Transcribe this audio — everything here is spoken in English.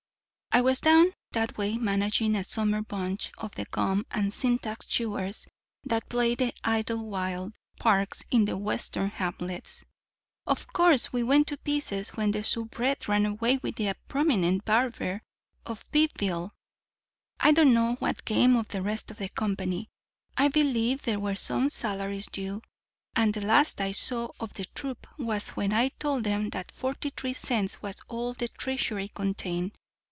I was down that way managing a summer bunch of the gum and syntax chewers that play the Idlewild Parks in the Western hamlets. Of course, we went to pieces when the soubrette ran away with a prominent barber of Beeville. I don't know what became of the rest of the company. I believe there were some salaries due; and the last I saw of the troupe was when I told them that forty three cents was all the treasury contained.